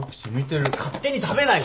勝手に食べないでよ。